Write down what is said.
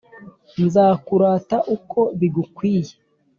nzakurata uko bigukwiye